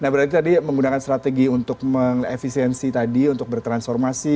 nah berarti tadi menggunakan strategi untuk mengefisiensi tadi untuk bertransformasi